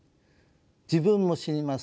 自分も死にます。